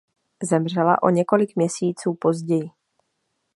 Zemřela o několik měsíců později.